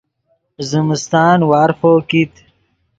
زمستان وارفو کیت